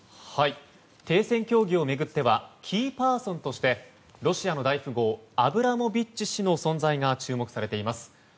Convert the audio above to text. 停戦協議を巡ってはキーパーソンとしてロシアの大富豪アブラモビッチ氏の存在が注目されています。